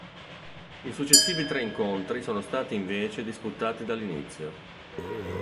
I successivi tre incontri sono stati invece disputati dall'inizio.